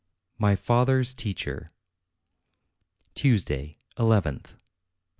MY FATHER'S TEACHER Tuesday, nth.